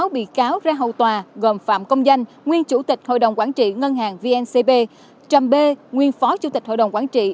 sáu bị cáo ra hầu tòa gồm phạm công danh nguyên chủ tịch hội đồng quản trị ngân hàng vncb trầm bê nguyên phó chủ tịch hội đồng quản trị